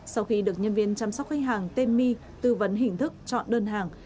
sau khi được nhân viên chăm sóc khách hàng tên my tư vấn hình thức chọn đơn hàng